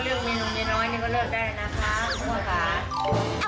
แล้วก็เรื่องมีนุ่มมีน้อยนี่ก็เลิกได้นะคะครับครับ